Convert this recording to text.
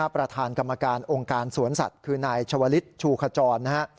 ประธานกรรมการองค์การสวนสัตว์คือนายชวลิศชูขจรนะฮะ